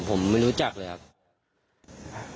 ผมไม่รู้จักเลยครับ